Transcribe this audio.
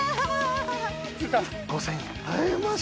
５，０００円。